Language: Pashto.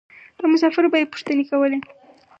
له مسافرو به یې پوښتنې کولې.